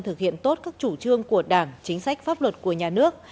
thực hiện tốt các chủ trương của đảng chính sách pháp luật của nhà nước